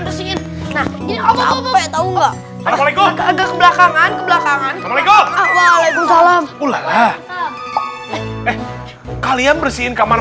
bersihin nah tahu enggak kebelakangan kebelakangan waalaikumsalam ulala kalian bersihin kamar